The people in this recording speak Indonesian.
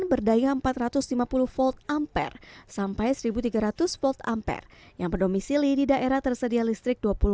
berdaya empat ratus lima puluh volt ampere sampai seribu tiga ratus volt ampere yang berdomisili di daerah tersedia listrik